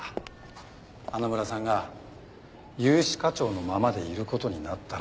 花村さんが融資課長のままでいる事になったら。